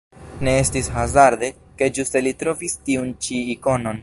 Ne estis hazarde, ke ĝuste li trovis tiun ĉi ikonon.